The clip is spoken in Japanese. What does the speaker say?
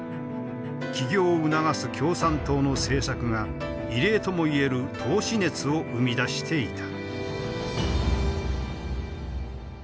起業を促す共産党の政策が異例ともいえる投資熱を生み出していた。